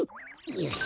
よし！